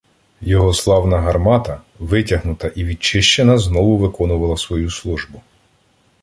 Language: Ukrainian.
Його славна гармата, витягнута і відчищена, знову виконувала свою службу.